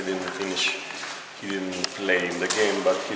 dia berlatih dengan mudah dia tidak berakhir